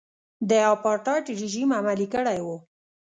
د اپارټایډ رژیم عملي کړی و.